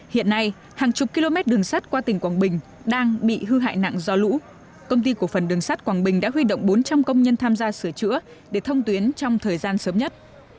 hiện nay hàng chục km đường sắt qua tỉnh quảng bình đang bị hư hại nặng do lũ công ty cổ phần đường sắt quảng bình đã huy động bốn trăm linh công nhân tham gia sửa chữa để thông tuyến trong thời gian sớm nhất